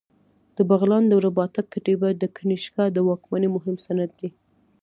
د بغلان د رباطک کتیبه د کنیشکا د واکمنۍ مهم سند دی